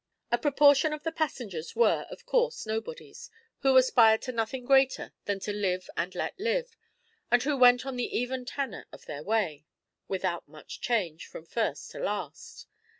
A proportion of the passengers were, of course, nobodies, who aspired to nothing greater than to live and let live, and who went on the even tenor of their way, without much change, from first to last.